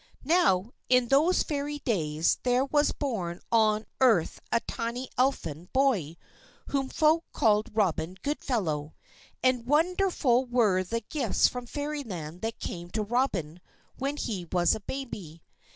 Now, in those Fairy days there was born on earth a tiny Elfin boy whom folk called Robin Goodfellow. And wonderful were the gifts from Fairyland that came to Robin when he was a baby.